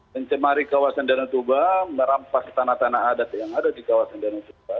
mencemari kawasan danau toba merampas tanah tanah adat yang ada di kawasan danau toba